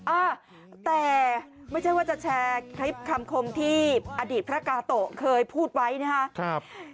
อ่าแต่ไม่ใช่ว่าจะแชร์คลิปคำคมที่อดีตพระกาโตะเคยพูดไว้นะครับ